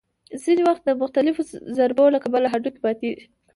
ځینې وخت د مختلفو ضربو له کبله هډوکي ماتېږي.